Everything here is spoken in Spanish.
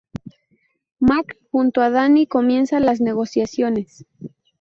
Mac, junto a Danny, comienza las negociaciones.